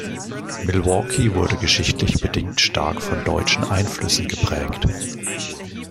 Milwaukee wurde geschichtlich bedingt stark von deutschen Einflüssen geprägt.